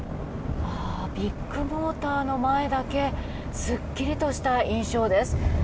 ビッグモーターの前だけすっきりとした印象です。